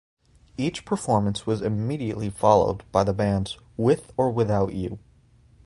Each performance was immediately followed by the band's "With or Without You".